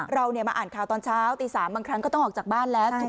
เรามาอ่านข่าวตอนเช้าตี๓บางครั้งก็ต้องออกจากบ้านแล้ว